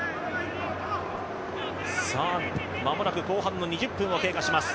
間もなく後半２０分を経過します。